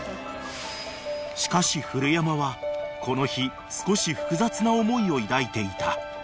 ［しかし古山はこの日少し複雑な思いを抱いていた］